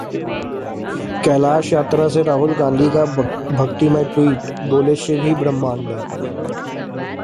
कैलाश यात्रा से राहुल गांधी का भक्तिमय ट्वीट, बोले- शिव ही ब्रह्मांड हैं